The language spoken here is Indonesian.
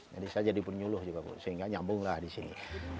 jadi saya jadi penyuluh juga sehingga nyambunglah di sini